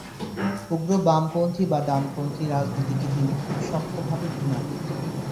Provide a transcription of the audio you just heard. উগ্র বামপন্থী বা ডানপন্থী রাজনীতিকে তিনি খুব শক্তভাবে ঘৃণা করতেন।